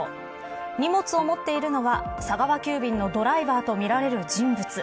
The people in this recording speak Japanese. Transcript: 荷物を持っているのは佐川急便のドライバーとみられる人物。